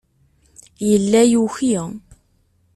Yella yuki.